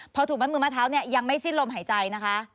พอถูกมัดมือมัดเท้าเนี่ยยังไม่สิ้นลมหายใจนะคะ